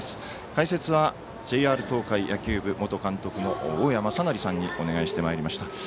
解説はＪＲ東海野球部元監督の大矢正成さんにお願いしてまいりました。